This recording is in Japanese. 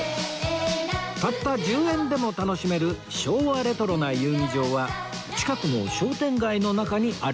たった１０円でも楽しめる昭和レトロな遊技場は近くの商店街の中にあるようです